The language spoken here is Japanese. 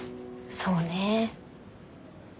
そうね。